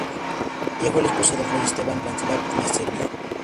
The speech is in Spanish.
Ella fue la esposa del rey Esteban Vladislav I de Serbia.